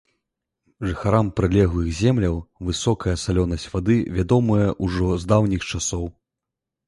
Жыхарам прылеглых земляў высокая салёнасць вады вядомая ўжо з даўніх часоў.